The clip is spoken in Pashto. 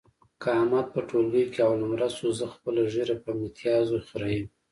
که احمد په ټولګي کې اول نمره شو، زه خپله ږیره په میتیازو خرېیم.